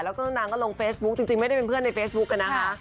แล้วก็นางก็ลงเฟซบุ๊คจริงไม่ได้เป็นเพื่อนในเฟซบุ๊กกันนะคะ